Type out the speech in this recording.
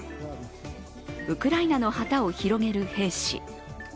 ウクライナの旗を広げる兵士。